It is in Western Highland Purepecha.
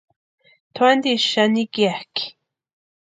Tʼu antisï xani ikiakʼi.